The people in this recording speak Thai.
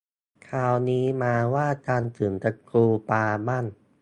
คราวนี้มาว่ากันถึงตระกูลปลาบ้าง